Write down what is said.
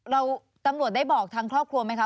ตำรวจได้บอกทางครอบครัวไหมคะ